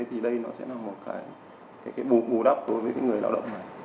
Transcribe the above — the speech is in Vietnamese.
thì đây nó sẽ là một cái bù đắp đối với cái người lao động này